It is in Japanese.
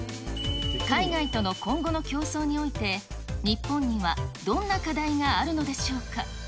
海外との今後の競争において、日本にはどんな課題があるのでしょうか。